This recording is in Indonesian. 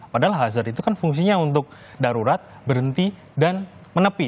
padahal hazard itu kan fungsinya untuk darurat berhenti dan menepi